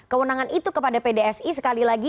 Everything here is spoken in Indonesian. kewenangan itu kepada pdsi sekali lagi